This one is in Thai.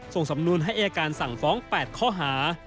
ส่งสำนวนให้อายการสั่งฟ้อง๘ข้อหา